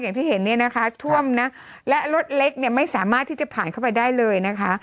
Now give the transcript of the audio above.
อย่างที่เห็นเนี่ยนะคะท่วมนะและรถเล็กเนี่ยไม่สามารถที่จะผ่านเข้าไปได้เลยนะคะ